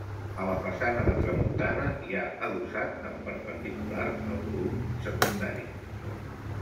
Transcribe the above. A la façana de tramuntana hi ha adossat en perpendicular el volum secundari.